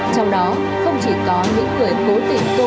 trong đó không chỉ có những người cố tình